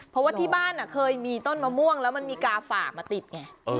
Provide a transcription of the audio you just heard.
เพราะว่าที่บ้านเคยมีต้นมะม่วงแล้วมันมีกาฝากมาติดไง